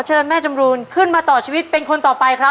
เชิญแม่จำรูนขึ้นมาต่อชีวิตเป็นคนต่อไปครับ